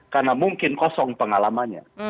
karena mungkin kosong pengalamannya